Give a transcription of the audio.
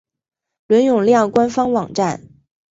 伦永亮官方网站